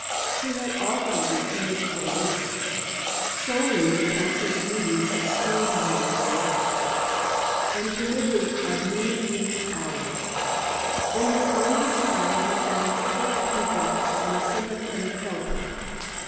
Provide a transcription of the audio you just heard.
He had often refused promotion, solely because his duties at Steynholme were light, and permitted of many free hours. In his only child he found a quick pupil and a sympathetic helper.